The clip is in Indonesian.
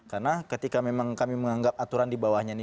karena ketika memang kami menganggap aturan di bawahnya ini